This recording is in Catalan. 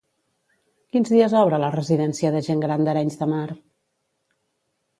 Quins dies obre la residència de gent gran d'Arenys de Mar?